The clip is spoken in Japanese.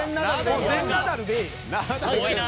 もう全ナダルでいいよ。